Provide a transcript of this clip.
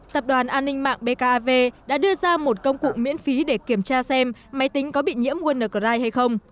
tập đoàn an ninh mạng bkav đã đưa ra một công cụ miễn phí để kiểm tra xem máy tính có bị nhiễm worldrigh hay không